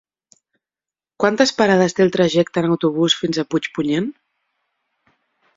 Quantes parades té el trajecte en autobús fins a Puigpunyent?